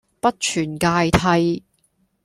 不存芥蒂